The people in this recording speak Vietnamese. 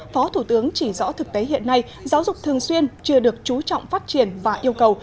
phó thủ tướng chỉ rõ thực tế hiện nay giáo dục thường xuyên chưa được trú trọng phát triển và yêu cầu